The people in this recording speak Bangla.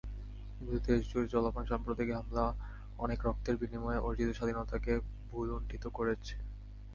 কিন্তু দেশজুড়ে চলমান সাম্প্রদায়িক হামলা অনেক রক্তের বিনিময়ে অর্জিত স্বাধীনতাকে ভুলুণ্ঠিত করছে।